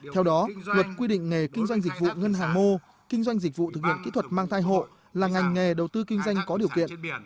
theo đó luật quy định nghề kinh doanh dịch vụ ngân hàng mô kinh doanh dịch vụ thực hiện kỹ thuật mang thai hộ là ngành nghề đầu tư kinh doanh có điều kiện